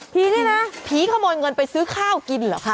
เนี่ยนะผีขโมยเงินไปซื้อข้าวกินเหรอคะ